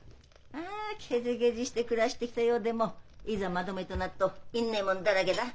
あケチケチして暮らしてきたようでもいざまとめるとなっと要んねえもんだらけだ。